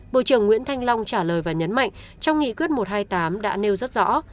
bộ trưởng nguyễn thanh long trả lời và nhấn mạnh trong nghị quyết một trăm hai mươi tám đã nêu rất rõ